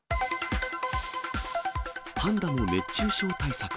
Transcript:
パンダも熱中症対策。